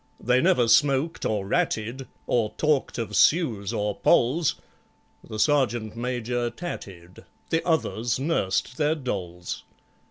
They never smoked or ratted, Or talked of Sues or Polls; The Sergeant Major tatted, The others nursed their dolls.